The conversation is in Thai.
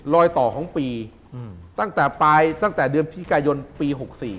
รอยต่อของปีตั้งแต่ปลายตั้งแต่เดือนพิกายนปี๖๔